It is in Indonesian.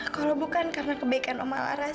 kalau bukan karena kebaikan om alaras